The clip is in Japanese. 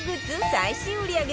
最新売り上げ